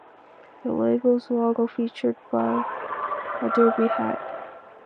The label's logo featured a Derby hat.